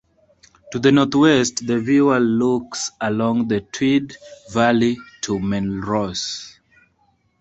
To the north west the viewer looks along the Tweed valley to Melrose.